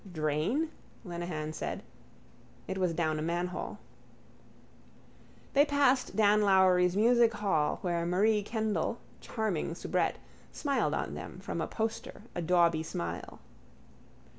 —Drain? Lenehan said. It was down a manhole. They passed Dan Lowry's musichall where Marie Kendall, charming soubrette, smiled on them from a poster a dauby smile.